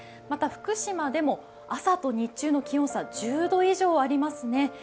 また福島でも朝と日中の気温差１０度以上ありますね。